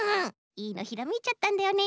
いいのひらめいちゃったんだよね。